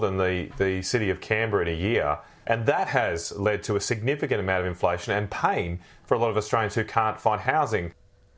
dan itu telah menyebabkan banyak peningkatan inflasi dan kesakitan bagi banyak orang di australia yang tidak dapat menemukan rumah